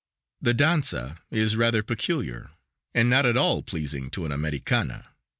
The danza is rather peculiar, and not at all pleasing to an _Americana.